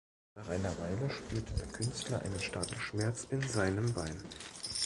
Nach einer Weile spürte der Künstler einen starken Schmerz in seinem Bein.